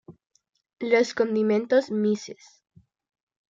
Los condimentos Mrs.